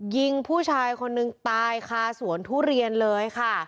ยิงผู้ชายคนนึงตายคาสวนทุเรียนเลยค่ะ